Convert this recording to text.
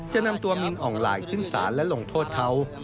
จะนำตัวมินอ่องลายขึ้นศาลและลงโทษเขา